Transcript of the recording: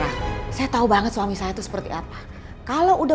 kita bisa menunggu tak lama